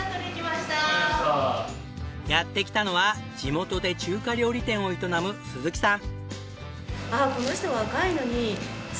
やって来たのは地元で中華料理店を営む鈴木さん。